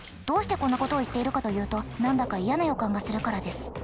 どうしてこんなことを言っているかというと何だか嫌な予感がするからです。